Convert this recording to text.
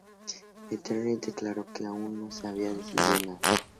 Entertainment declaró que aún no se había decidido nada.